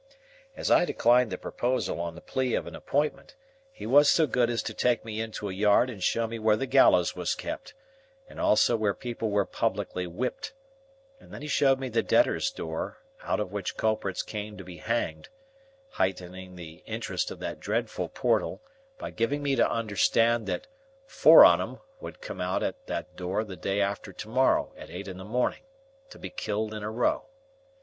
As I declined the proposal on the plea of an appointment, he was so good as to take me into a yard and show me where the gallows was kept, and also where people were publicly whipped, and then he showed me the Debtors' Door, out of which culprits came to be hanged; heightening the interest of that dreadful portal by giving me to understand that "four on 'em" would come out at that door the day after to morrow at eight in the morning, to be killed in a row.